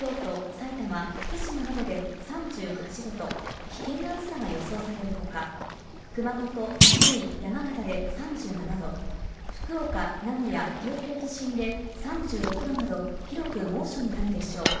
埼玉、福島などで３８度と危険な暑さが予想される他、熊本、福井、山形で３７度、福岡、名古屋、東京都心で３６度など、広く猛暑になるでしょう。